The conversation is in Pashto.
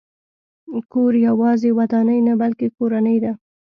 کور یوازې ودانۍ نه، بلکې کورنۍ ده.